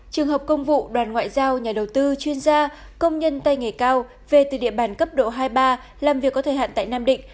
trường hợp công vụ đoàn ngoại giao nhà đầu tư chuyên gia công nhân tay nghề cao về từ địa bàn cấp độ hai ba làm việc có thời hạn tại nam định